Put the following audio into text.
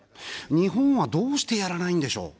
日本は、どうしてやらないんでしょう。